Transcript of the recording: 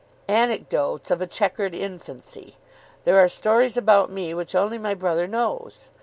" Anecdotes of a chequered infancy. There are stories about me which only my brother knows.